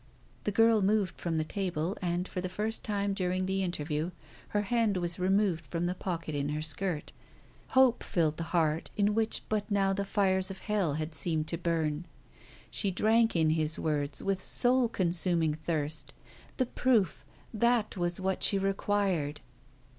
The girl moved from the table; and, for the first time during the interview, her hand was removed from the pocket in her skirt. Hope filled the heart in which but now the fires of hell had seemed to burn. She drank in his words with a soul consuming thirst The proof! That was what she required.